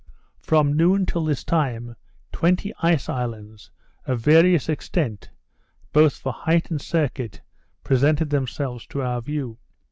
From noon till this time, twenty ice islands, of various extent, both for height and circuit, presented themselves to our view.